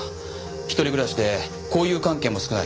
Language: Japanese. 一人暮らしで交友関係も少ない。